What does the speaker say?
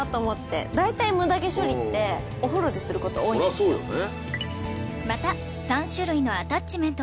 そりゃそうよね。